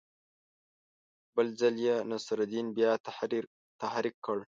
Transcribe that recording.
بل ځل یې نصرالدین بیا تحریک کړ.